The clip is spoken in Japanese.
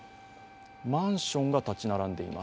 マンションが建ち並んでいます。